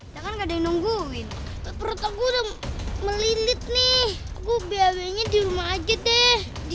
sampai jumpa di video selanjutnya